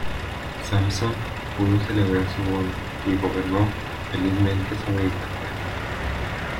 Samson pudo celebrar su boda, y gobernó felizmente sobre Inglaterra.